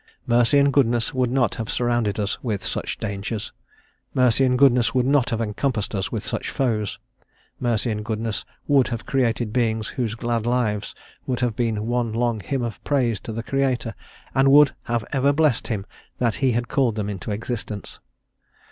Mercy and goodness would not have surrounded us with such dangers; mercy and goodness would not have encompassed us with such foes; mercy and goodness would have created beings whose glad lives would have been one long hymn of praise to the Creator, and would have ever blessed him that he had called them into existence.